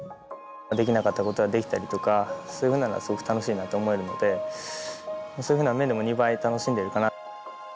できなかったことができたりとかそういうふうなのがすごく楽しいなと思えるのでそういうふうな面でも２倍楽しんでるかな。